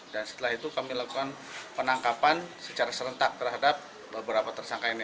dan setelah itu kami lakukan penangkapan secara serentak terhadap beberapa tersangka ini